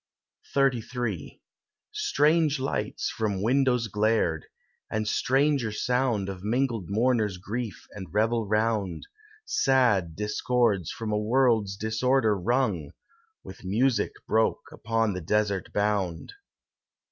XXXIII Strange lights from windows glared, and stranger sound Of mingled mourners' grief and revel round— Sad discords from a world's disorder wrung— With music broke upon the desert bound.